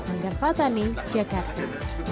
anggar fathani jakarta